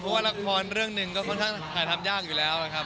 เพราะว่าละครเรื่องหนึ่งก็ค่อนข้างหาทำยากอยู่แล้วนะครับ